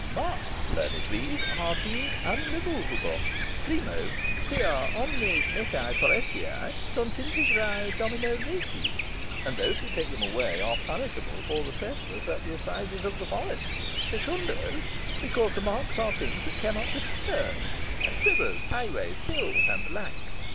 Marks, learned reeve, are deemed unremovable primo, quia omnes metæ forestæ sunt integræ domino regi and those who take them away are punishable for the trespass at the assizes of the forest. Secundo, because the marks are things that cannot be stirred, as rivers, highways, hills, and the like.